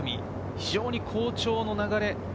非常に好調な流れ。